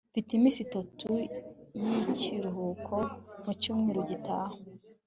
mfite iminsi itatu y'ikiruhuko mu cyumweru gitaha